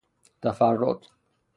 تفرد